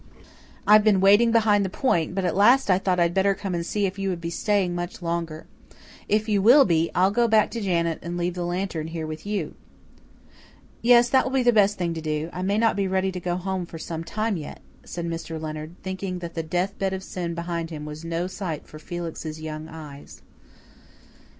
I've been waiting behind the point, but at last I thought I'd better come and see if you would be staying much longer. If you will be, I'll go back to Janet and leave the lantern here with you." "Yes, that will be the best thing to do. I may not be ready to go home for some time yet," said Mr. Leonard, thinking that the death bed of sin behind him was no sight for Felix's young eyes.